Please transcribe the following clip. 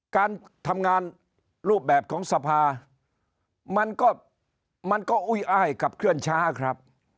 การทำงานรูปแบบของสภามันก็มันก็อุ้ยอ้ายขับเคลื่อนช้าครับ